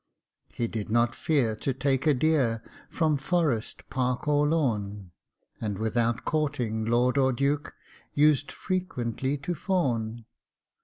He did not fear to take a deer From forest, park, or lawn; And without courting lord or duke, Used frequently to fawn.